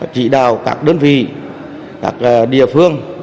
chỉ đào các đơn vị các địa phương